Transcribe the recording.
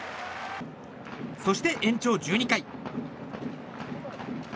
そして、延長１２回。